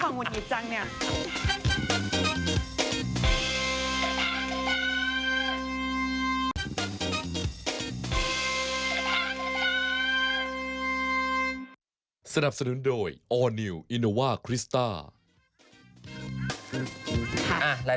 คนที่แซ่วว่าเป็นวัยท้องแล้วความหวุ่นหิดจัง